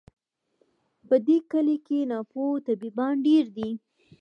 په دې کلي کي ناپوه طبیبان ډیر دي